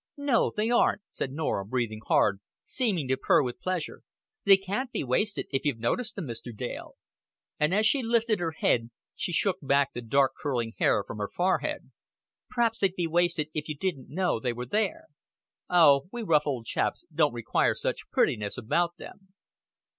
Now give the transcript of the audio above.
"No, they aren't," said Norah, breathing hard, seeming to purr with pleasure. "They can't be wasted, if you've noticed them, Mr. Dale;" and as she lifted her head, she shook back the dark curling hair from her forehead. "P'raps they'd be wasted if you didn't know they were there." "Oh, we rough old chaps don't require such prettiness about them."